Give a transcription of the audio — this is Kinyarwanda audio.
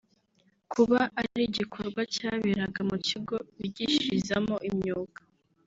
kuba ari igikorwa cyaberaga mu kigo bigishirizamo imyuga